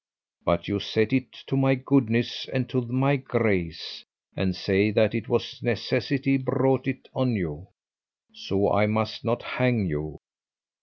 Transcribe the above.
But you set it to my goodness and to my grace, and say that it was necessity brought it on you, so I must not hang you.